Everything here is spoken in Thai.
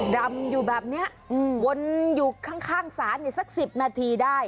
ดำอยู่แบบนี้วนอยู่ข้างศาลสัก๑๐นาทีได้